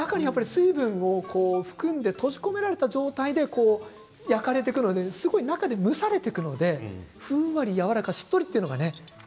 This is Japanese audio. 水分を含んで閉じ込められた状態で焼かれてくるので中で蒸されていくのでふんわりやわらかしっとりというのがね。